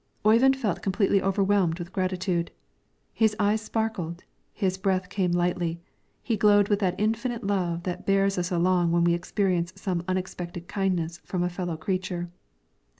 Oyvind felt completely overwhelmed with gratitude. His eyes sparkled, his breath came lightly, he glowed with that infinite love that bears us along when we experience some unexpected kindness from a fellow creature.